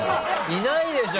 いないでしょ